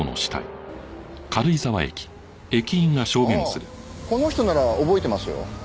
ああこの人なら覚えてますよ。